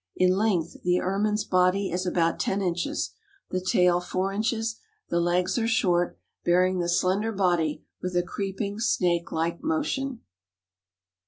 In length the Ermine's body is about ten inches; the tail, four inches; the legs are short, bearing the slender body with a creeping snake like motion.